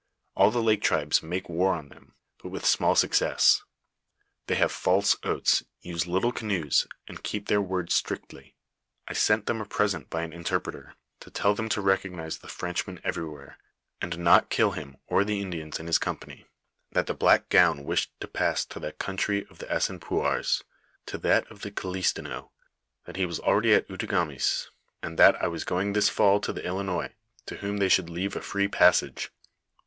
All the lake tribes make war on them, but with small success ; they have false oats, use little canoes, and keep their word strictly. I sent them a present by an interpreter, to tell them to recognise the Frenchman everywhere, and not kill him or the Indians in his company; that the black gown wished to pass to the country of the Assinipoiiars, to that of the Kilistinaux ; that he was already at Outagamis, and that I was going this fall to the Ilinois, to whom they should leave a free passage.